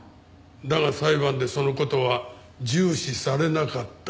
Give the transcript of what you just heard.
だが裁判でその事は重視されなかった。